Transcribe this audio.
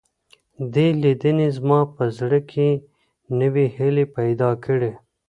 دې لیدنې زما په زړه کې نوې هیلې پیدا کړې.